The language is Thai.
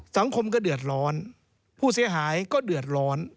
สังคมก็เดือดร้อนผู้เสียหายก็เดือดร้อน